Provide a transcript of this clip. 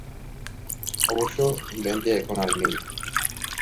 অবশ্য, ব্যান্ডটি এখন আর নেই।